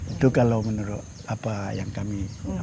itu kalau menurut apa yang kami